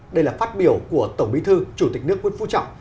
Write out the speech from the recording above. đây là phát biểu của tổng bí thư chủ tịch nước nguyễn phú trọng